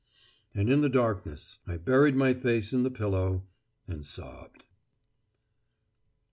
And in the darkness I buried my face in the pillow, and sobbed.